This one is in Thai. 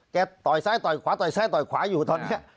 แกต่อยซ้ายต่อยขวาอยู่ตอนนี้